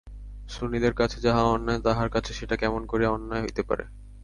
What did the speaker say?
সুনীলের কাছে যাহা অন্যায়, তাহার কাছে সেটা কেমন করিয়া অন্যায় হইতে পারে।